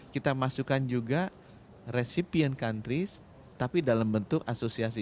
kita masukkan juga resipient countries tapi dalam bentuk asosiasi